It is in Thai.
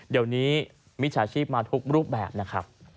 เดี๋ยวนี้มิจฉาชีพมาทุกรูปแบบนะครับ